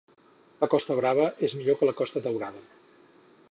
La Costa Brava és millor que la Costa Daurada.